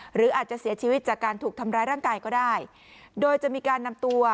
หรืออาจจะเสียชีวิตจากการถูกทำร้ายร่างกายก็ได้โดยจะมีการนำตัว